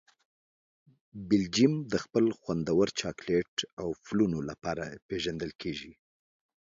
بلجیم د خپل خوندور چاکلېټ او وفلونو لپاره پېژندل کیږي.